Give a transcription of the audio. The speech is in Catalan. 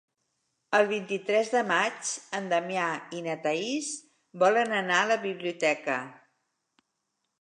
El vint-i-tres de maig en Damià i na Thaís volen anar a la biblioteca.